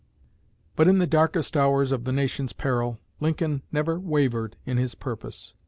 But in the darkest hours of the nation's peril, Lincoln never wavered in his purpose.